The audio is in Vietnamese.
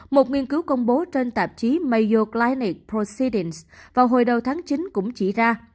một nghiên cứu công bố trên tạp chí mayo clinic proceedings vào hồi đầu tháng chín cũng chỉ ra